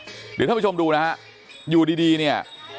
เดี๋ยวท่านผู้ชมดูนะฮะอยู่ดีเนี่ย